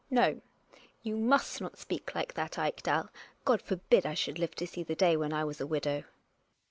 No, you must not speak like that, Ekdal. God forbid I should live to see the day when I was a widow